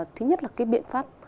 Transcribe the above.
thứ nhất là cái biện pháp